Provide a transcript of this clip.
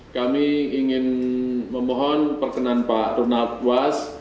kami ingin memohon perkenan pak ronald was